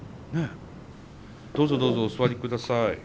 どうぞどうぞお座りください。